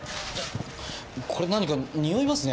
これ何かにおいますね。